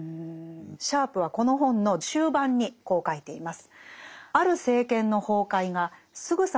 シャープはこの本の終盤にこう書いています。